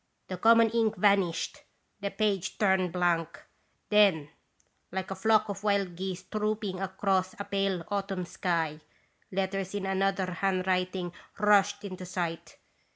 The common ink vanished. The page turned blank. Then, like a flock of wild geese trooping across a pale autumn sky, letters in another handwriting rushed into sight.